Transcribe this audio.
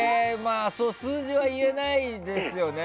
数字は言えないですよね。